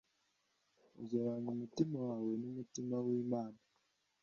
ugereranya umutima wawe n umutima w Imana